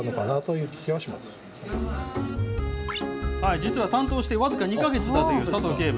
実は担当して僅か２か月だという佐藤警部。